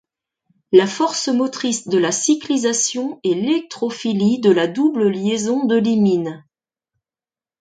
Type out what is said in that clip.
La force motrice de la cyclisation est l'électrophilie de la double liaison de l'imine.